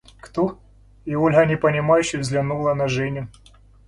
– Кто? – И Ольга непонимающе взглянула на Женю.